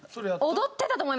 踊ってたと思います。